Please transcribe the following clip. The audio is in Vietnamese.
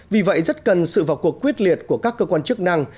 vì vậy rất cần sự vào cuộc quyết liệt của các cơ quan chức năng